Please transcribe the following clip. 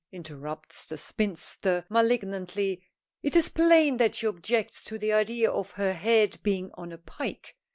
interrupts the spinster, malignantly. It is plain that she objects to the idea of her head being on a pike.